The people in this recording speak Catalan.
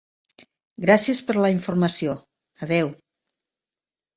Gràcies per la informació. Adeu.